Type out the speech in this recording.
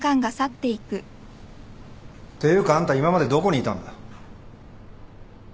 ていうかあんた今までどこにいたんだ？